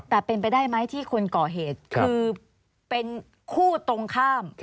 แต่เป็นไปได้ไหมที่คนก่อเหตุคือเป็นคู่ตรงข้าม